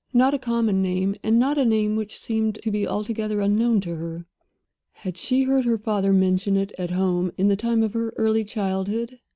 Not a common name, and not a name which seemed to be altogether unknown to her. Had she heard her father mention it at home in the time of her early childhood?